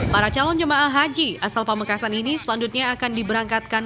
para calon jemaah haji asal pamekasan ini selanjutnya akan diberangkatkan